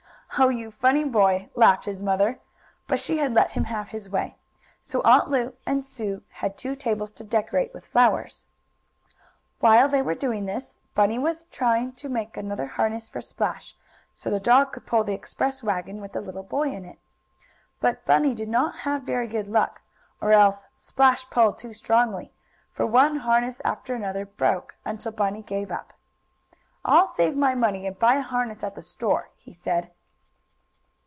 "Oh, you funny boy!" laughed his mother, but she had let him have his way. So Aunt Lu and Sue had two tables to decorate with flowers. While they were doing this Bunny was trying to make another harness for Splash, so the dog could pull the express wagon with the little boy in it. But Bunny did not have very good luck, or else Splash pulled too strongly, for one harness after another broke, until Bunny gave up. "I'll save my money and buy a harness at the store," he said.